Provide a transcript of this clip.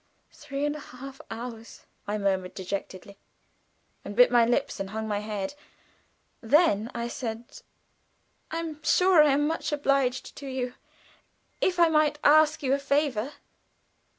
Three hours and a half," I murmured, dejectedly, and bit my lips and hung my head. Then I said, "I am sure I am much obliged to you. If I might ask you a favor?"